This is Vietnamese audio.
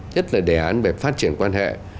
nhất là đề án về phát triển quan hệ